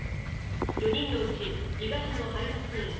４人のうち伊賀市の配達員